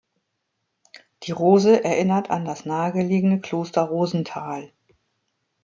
Die Rose erinnert an das nahegelegene Kloster Rosenthal.